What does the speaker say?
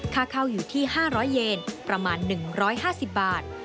ค่าเข้าอยู่ที่๕๐๐เยนประมาณ๑๕๐บาท